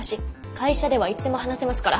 会社ではいつでも話せますから。